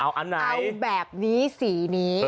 เอาแบบนี้สีนี้